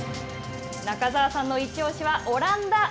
中澤さんの一押しはオランダ。